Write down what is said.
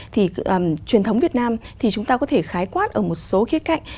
thì truyền thống việt nam thì chúng ta có thể khái quát ở một số khía cạnh